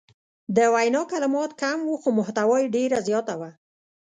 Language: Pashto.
د وینا کلمات کم وو خو محتوا یې ډیره زیاته وه.